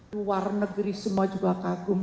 luar negeri semua juga kagum